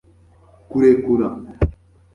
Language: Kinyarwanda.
kurekura